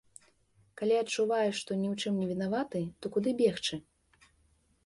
Калі адчуваеш, што ні ў чым не вінаваты, то куды бегчы?